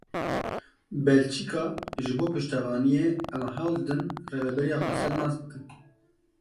Belçîka ji bo piştevaniyê em hewl didin Rêveberiya Xweser nas bikin.